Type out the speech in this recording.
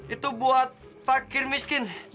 itu buat pakir miskin